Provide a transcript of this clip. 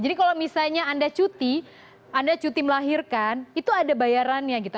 jadi kalau misalnya anda cuti anda cuti melahirkan itu ada bayarannya gitu